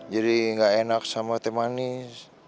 jadi gak enak sama temanis